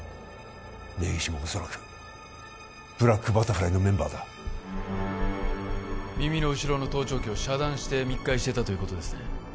根岸もおそらくブラックバタフライのメンバーだ耳の後ろの盗聴器を遮断して密会していたということですね